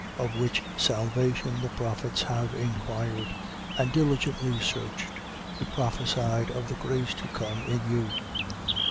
1:10. Of which salvation the prophets have inquired and diligently searched, who prophesied of the grace to come in you.